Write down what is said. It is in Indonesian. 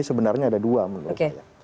sebenarnya ada dua menurut saya